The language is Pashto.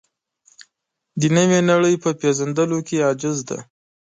د نوې نړۍ په پېژندلو کې عاجز دی.